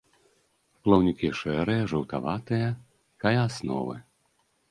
Плаўнікі шэрыя, жаўтаватыя кая асновы.